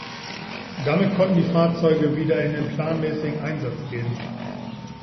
Damit konnten die Fahrzeuge wieder in den planmäßigen Einsatz gehen.